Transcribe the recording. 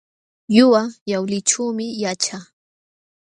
Ñuqa Yawlićhuumi yaćhaa.